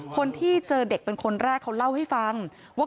คนที่เจอเด็กเป็นคนแรกเขาเล่าให้ฟังว่า